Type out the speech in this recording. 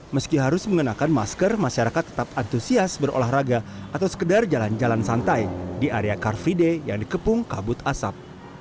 meski harus mengenakan masker masyarakat tetap antusias berolahraga atau sekedar jalan jalan santai di area car free day yang dikepung kabut asap